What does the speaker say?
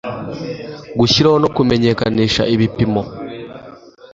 gushyiraho no kumenyekanisha ibipimo